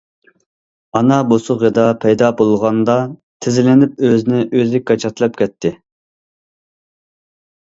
ئانا بوسۇغىدا پەيدا بولغاندا تىزلىنىپ، ئۆزىنى ئۆزى كاچاتلاپ كەتتى.